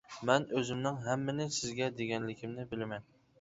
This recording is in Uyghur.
مەن ئۆزۈمنىڭ ھەممىنى سىزگە دېگەنلىكىمنى بىلىمەن.